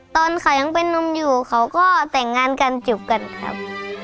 ตอนเขายังเป็นนุ่มอยู่เขาก็แต่งงานกันจบกันครับ